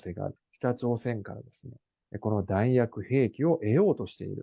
北朝鮮からこの弾薬、兵器を得ようとしている。